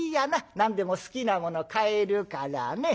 何でも好きなもの買えるからね。